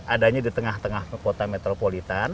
adanya di tengah tengah kota metropolitan